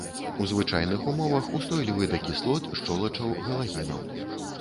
У звычайных умовах устойлівы да кіслот, шчолачаў, галагенаў.